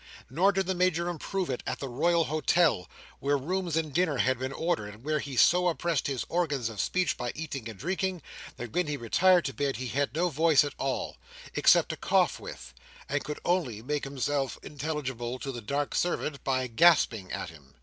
Nor did the Major improve it at the Royal Hotel, where rooms and dinner had been ordered, and where he so oppressed his organs of speech by eating and drinking, that when he retired to bed he had no voice at all, except to cough with, and could only make himself intelligible to the dark servant by gasping at him.